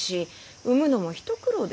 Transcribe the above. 産むのも一苦労ですし。